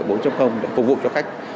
các dữ liệu bốn để phục vụ cho khách